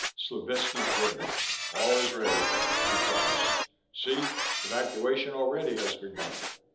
Slovetski grinned. "All is ready," he promised. "See, evacuation already has begun!"